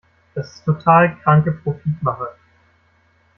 Das ist total kranke Profitmache!